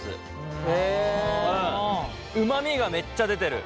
うまみがめっちゃ出てる。